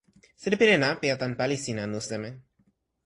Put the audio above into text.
sina pilin apeja tan pali sina anu seme?